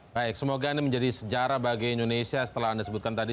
baik semoga ini menjadi sejarah bagi indonesia setelah anda sebutkan tadi